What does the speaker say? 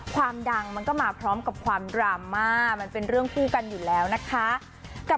ความดังมันก็มาพร้อมกับความดราม่ามันเป็นเรื่องคู่กันอยู่แล้วนะคะ